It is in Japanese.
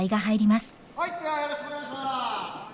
はいではよろしくお願いします。